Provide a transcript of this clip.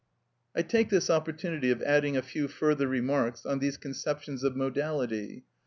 I take this opportunity of adding a few further remarks on these conceptions of modality.